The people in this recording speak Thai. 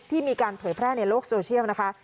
มีการเผยแพร่ในโลกโซเชียลนะคะ